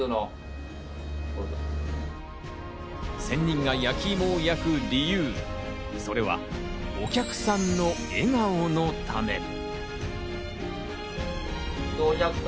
仙人が焼きいもを焼く理由、それはお客さんの笑顔のため。